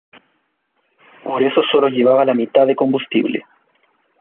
Por eso solo llevaban la mitad de combustible.